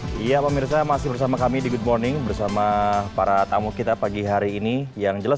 hai ya pemirsa masih bersama kami di good morning bersama para tamu kita pagi hari ini yang jelas